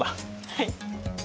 はい。